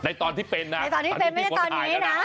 ในตอนที่เป็นไม่ได้ตอนนี้นะ